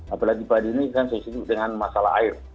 apalagi pada ini kan sensitif dengan masalah air